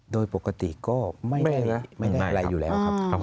โดยปกติก็ไม่ได้อะไรอยู่แล้วครับผม